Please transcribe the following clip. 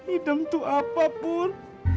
idem tuh apa pur